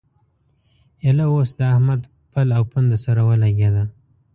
ايله اوس د احمد پل او پونده سره ولګېده.